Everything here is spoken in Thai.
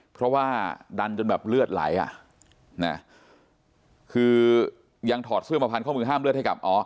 เพราะว่าดันจนแบบเลือดไหลอ่ะนะคือยังถอดเสื้อมาพันข้อมือห้ามเลือดให้กับอ๋อ